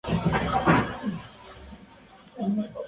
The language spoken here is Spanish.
Entre sus obras se encuentran